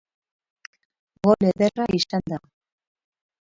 Gol ederra izan da.